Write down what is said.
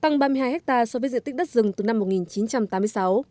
tăng ba mươi hai ha so với diện tích đất rừng từ năm một nghìn chín trăm tám mươi sáu